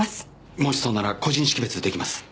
もしそうなら個人識別できます。